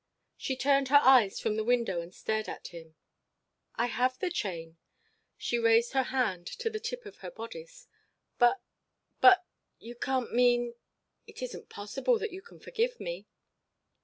She turned her eyes from the window and stared at him. "I have the chain " She raised her hand to the tip of her bodice "but but you can't mean it isn't possible that you can forgive me."